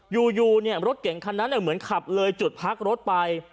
อยู่รถเก่งคันนั้นเหมือนขับเลยจุดพักรถไป